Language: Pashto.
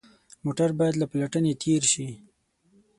موټر باید له پلټنې تېر شي.